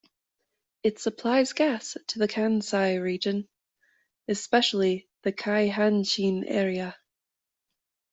It supplies gas to the Kansai region, especially the Keihanshin area.